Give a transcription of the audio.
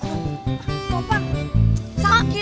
maaf dong topan tak sengaja